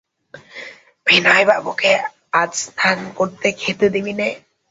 বিনয়বাবুকে আজ স্নান করতে খেতে দিবি নে?